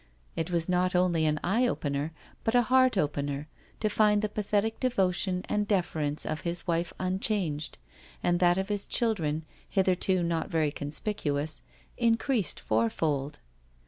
It was not only an eye opener, but a heart opener, to find the pathetic devotion and deference of his wife unchanged, and that of his children, hitherto not very conspicuous, increased fourfold.